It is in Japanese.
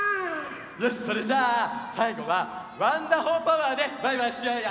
よしそれじゃあさいごは「ワンダホー☆パワー」でバイバイしようよ！